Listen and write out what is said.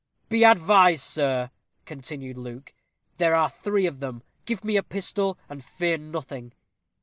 "Be advised, sir," continued Luke. "There are three of them give me a pistol, and fear nothing."